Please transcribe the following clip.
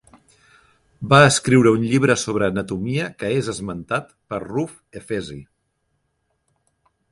Va escriure un llibre sobre anatomia que és esmentat per Ruf Efesi.